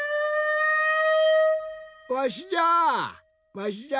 わしじゃ！